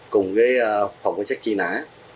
cùng với phòng xác chi nã